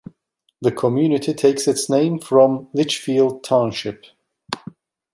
The community takes its name from Litchfield Township.